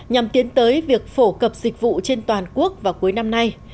nhằm tiến tới việc phổ cập dịch vụ trên toàn quốc vào cuối năm nay